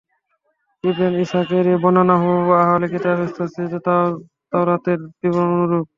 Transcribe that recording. ইবন ইসহাকের এ বর্ণনা হুবহু আহলি কিতাবদের হস্তস্থিত তাওরাতের বিবরণের অনুরূপ।